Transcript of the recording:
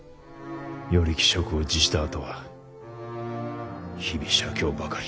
与力職を辞したあとは日々写経ばかり。